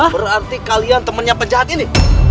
berarti kalian temannya penjahat ini